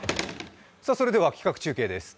それでは企画中継です。